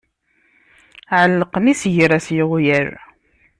Ɛellqen isegras yeɣyal.